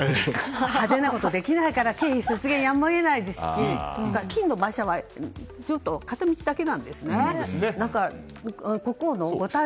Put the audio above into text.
派手なことできないから経費削減やむを得ないですし金の馬車は片道だけなんですね。